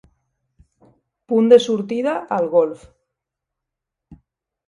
Punt de sortida al golf.